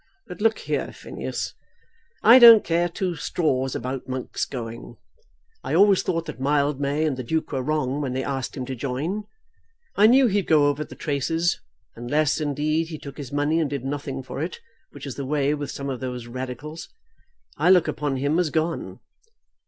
But look here, Phineas, I don't care two straws about Monk's going. I always thought that Mildmay and the Duke were wrong when they asked him to join. I knew he'd go over the traces, unless, indeed, he took his money and did nothing for it, which is the way with some of those Radicals. I look upon him as gone."